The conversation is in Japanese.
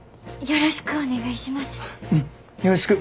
よろしくお願いします。